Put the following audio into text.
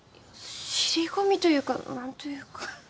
尻込みというか何というか。